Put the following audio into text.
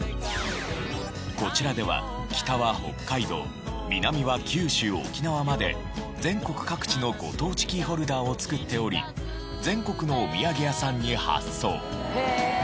こちらでは北は北海道南は九州沖縄まで全国各地のご当地キーホルダーを作っており全国のおみやげ屋さんに発送。